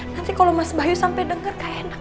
nanti kalau mas bayu sampai denger kayak enak